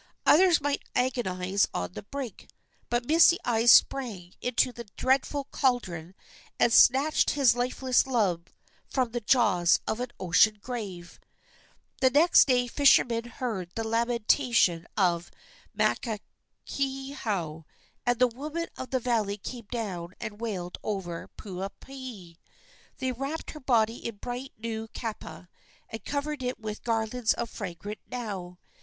Others might agonize on the brink, but Misty Eyes sprang into the dreadful caldron and snatched his lifeless love from the jaws of an ocean grave. The next day fishermen heard the lamentation of Makakehau, and the women of the valley came down and wailed over Puupehe. They wrapped her body in bright, new kapa, and covered it with garlands of fragrant nauu.